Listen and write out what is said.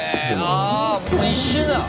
あ一瞬だ。